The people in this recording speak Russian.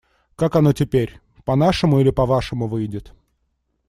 Как оно теперь: по-нашему или по-вашему выйдет?